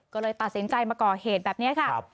ก็เลยตัดสินใจมาก่อเหตุแล้ว